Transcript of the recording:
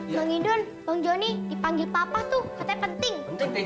bang idon bang joni dipanggil papa tuh katanya penting